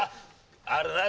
あるなあ